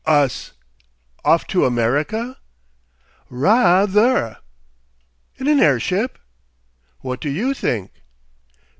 "Us! off to America?" "Ra ther!" "In an airship?" "What do YOU think?"